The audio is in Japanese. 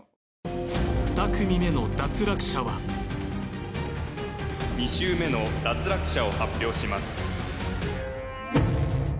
２組目の脱落者は２周目の脱落者を発表します